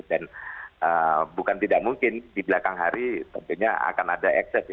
dan bukan tidak mungkin di belakang hari tentunya akan ada ekses